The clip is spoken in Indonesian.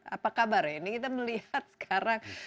apa kabar ya ini kita melihat sekarang